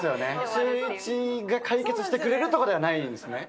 シューイチが解決してくれるとかではないんですね。